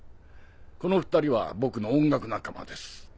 この２人は僕の音楽仲間です。